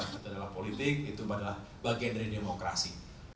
kita dalam politik itu adalah bagian dari demokrasi